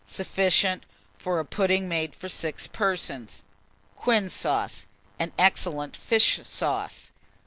Sufficient for a pudding made for 6 persons. QUIN'S SAUCE, an excellent Fish Sauce.